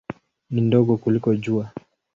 Ni ndogo kuliko Jua.